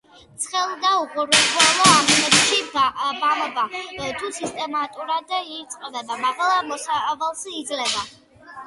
ცხელ და უღრუბლო ამინდში ბამბა, თუ სისტემატურად ირწყვება, მაღალ მოსავალს იძლევა.